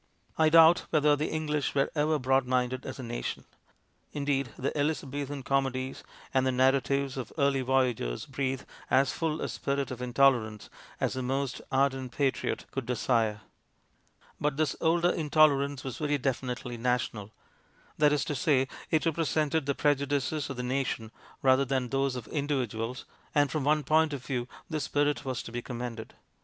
I doubt whether the English were ever broad minded as a nation ; indeed, the Eliza bethan comedies and the narratives of the early voyagers breathe as full a spirit of intolerance as the most ardent patriot could desire ; but this older intolerance was very definitely national that is to say, it repre sented the prejudices of the nation rather 196 MONOLOGUES than those of individuals, and from one point of view this spirit was to be commended.